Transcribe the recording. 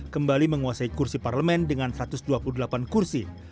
kembali menguasai kursi parlemen dengan satu ratus dua puluh delapan kursi